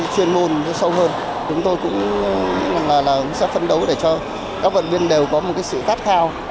chuyên môn sâu hơn chúng tôi cũng sẽ phân đấu để cho các vận viên đều có một sự phát thao